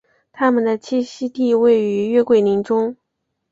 它们的栖息地位于月桂林中。